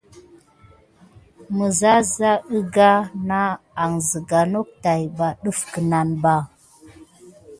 Misasin higana na an siga nok tät pak def kinaba.